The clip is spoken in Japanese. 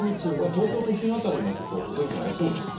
東京都心辺りも、ちょっとお天気荒れそうですね。